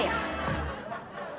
pingsan tadi disini